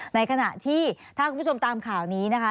ในขณะที่ถ้าคุณผู้ชมตามข่าวนี้นะคะ